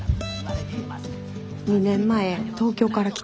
２年前東京から来た。